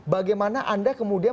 bagaimana anda kemudian